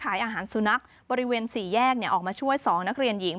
ขายอาหารสุนัขบริเวณ๔แยกออกมาช่วย๒นักเรียนหญิง